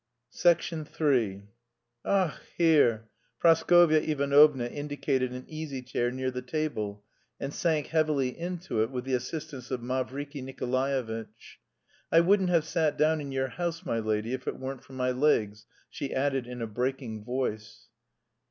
III "Ach, here!" Praskovya Ivanovna indicated an easy chair near the table and sank heavily into it with the assistance of Mavriky Nikolaevitch. "I wouldn't have sat down in your house, my lady, if it weren't for my legs," she added in a breaking voice.